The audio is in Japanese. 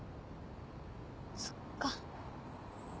そっか。